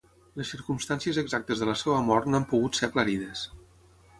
Les circumstàncies exactes de la seva mort no han pogut ser aclarides.